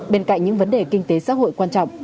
bên cạnh những vấn đề kinh tế xã hội quan trọng